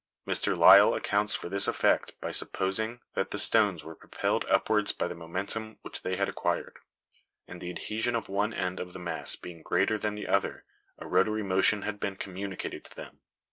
Mr. [Illustration: DESTRUCTION OF MESSINA.] Lyell accounts for this effect by supposing that the stones were propelled upwards by the momentum which they had acquired, and the adhesion of one end of the mass being greater than the other, a rotary motion had been communicated to them.